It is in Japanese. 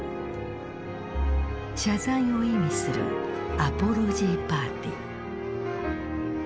謝罪を意味するアポロジーパーティー。